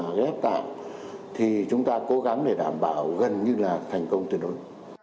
ghép tạng thì chúng ta cố gắng để đảm bảo gần như là thành công tuyệt đối